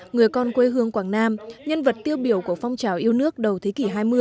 người con quê hương quảng nam nhân vật tiêu biểu của phong trào yêu nước đầu thế kỷ hai mươi